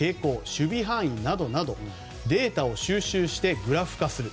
守備範囲などデータを収集してグラフ化する。